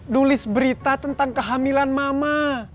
tulis berita tentang kehamilan mama